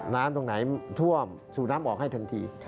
ตรงไหนท่วมสูบน้ำออกให้ทันที